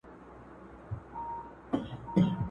پر مځکه سپي او په هوا کي به کارګان ماړه وه!